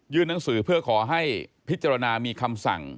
หนังสือเพื่อขอให้พิจารณามีคำสั่ง